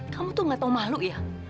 kamu tuh gak tau malu ya